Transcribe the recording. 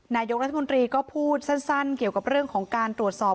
นายกรัฐมนตรีก็พูดสั้นเกี่ยวกับเรื่องของการตรวจสอบ